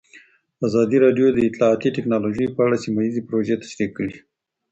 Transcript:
ازادي راډیو د اطلاعاتی تکنالوژي په اړه سیمه ییزې پروژې تشریح کړې.